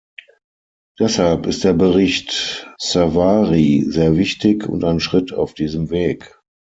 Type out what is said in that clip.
Deshalb ist der Bericht Savary sehr wichtig und ein Schritt auf diesem Weg.